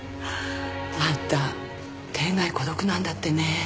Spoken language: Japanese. あんた天涯孤独なんだってね。